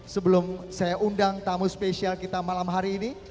sebelum saya undang tamu spesial kita malam hari ini